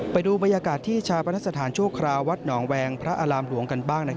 ไปดูบรรยากาศที่ชาปนสถานชั่วคราววัดหนองแวงพระอารามหลวงกันบ้าง